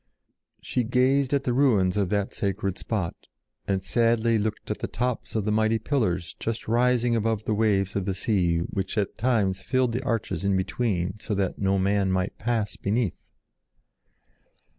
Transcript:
She gazed on the ruins of that sacred spot and sadly looked at the tops of the mighty pillars just rising above the waves of the sea which at times filled the arches in between so that no man might pass beneath.